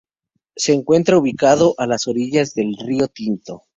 Se encuentra ubicado a orillas del río Tinto.